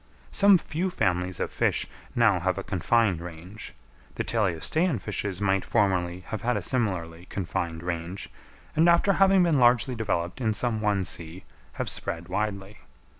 Some few families of fish now have a confined range; the teleostean fishes might formerly have had a similarly confined range, and after having been largely developed in some one sea, have spread widely.